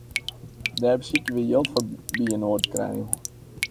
Dêr besykje we jild foar byinoar te krijen.